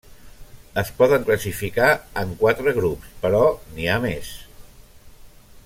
Es poden classificar en quatre grups però n'hi ha més.